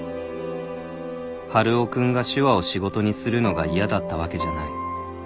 「春尾君が手話を仕事にするのが嫌だったわけじゃない」